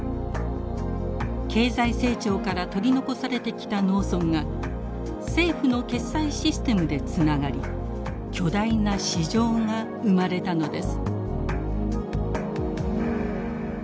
経済成長から取り残されてきた農村が政府の決済システムでつながり巨大な市場が生まれたのです。